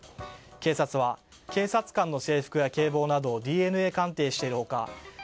警察は警察官の制服や警棒などをＤＮＡ鑑定している他